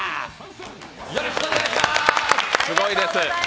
よろしくお願いします！